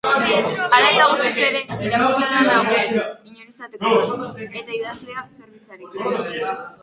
Hala eta guztiz ere, irakurlea da nagusi, inor izatekotan, eta idazlea zerbitzari.